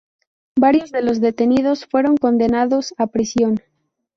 Varios de los detenidos fueron condenados a prisión.